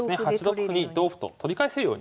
８六歩に同歩と取り返せるように。